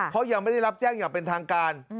เพราะยังไม่ได้รับแจ้งอย่างเป็นทางการ